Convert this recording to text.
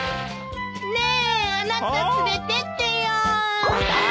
ねえあなた連れてってよ。はあ？